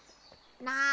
なあ